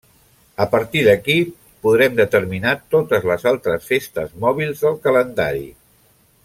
A partir d'aquí, podrem determinar totes les altres festes mòbils del calendari.